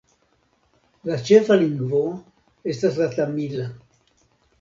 La ĉefa lingvo estas la tamila.